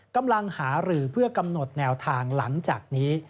กำลังหารือเพื่อกำหนดแนวทางหลังจากนี้